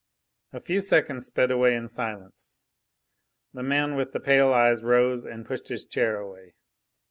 A few seconds sped away in silence. The man with the pale eyes rose and pushed his chair away.